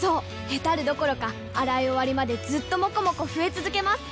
ヘタるどころか洗い終わりまでずっともこもこ増え続けます！